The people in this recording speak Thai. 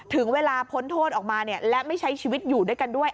ถึงเวลาพ้นโทษออกมาและไม่ใช้ชีวิตอยู่ด้วยกันด้วย